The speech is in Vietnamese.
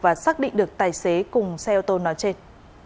và xác định được tài xế cùng xe ô tô nói trên